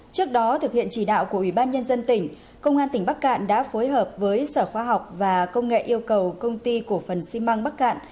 trước đó thực hiện chỉ đạo của ủy ban nhân dân tỉnh công an tỉnh bắc cạn đã phối hợp với sở khoa học và công nghệ yêu cầu công ty cổ phần xi măng bắc cạn